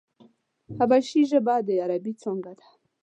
حبشي ژبه د عربي څانگه ده.